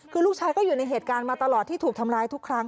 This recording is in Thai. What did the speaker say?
คือลูกชายก็อยู่ในเหตุการณ์มาตลอดที่ถูกทำร้ายทุกครั้ง